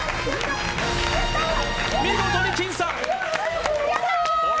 見事に僅差。